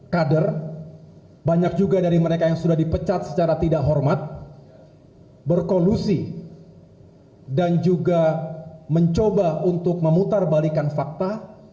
kader banyak juga dari mereka yang sudah dipecat secara tidak hormat berkolusi dan juga mencoba untuk memutarbalikan fakta